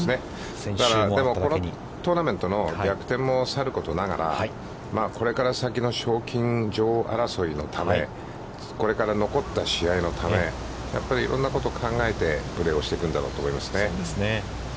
このトーナメントの逆転もさることながらこれから先の賞金女王争いのためこれから残った試合のためやっぱりいろんなことを考えてプレーをしていくんだろうと思いますね。